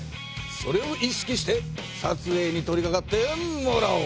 それを意識して撮影に取りかかってもらおう！